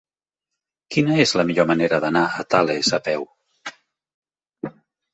Quina és la millor manera d'anar a Tales a peu?